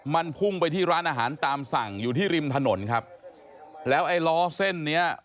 มันพุ่งไปที่ร้านอาหารตามสั่งอยู่ที่ริมถนนครับแล้วไอ้ล้อเส้นเนี้ย